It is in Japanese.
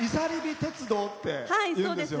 鉄道っていうんですよね。